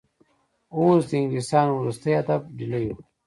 اوس د انګلیسیانو وروستی هدف ډهلی وو.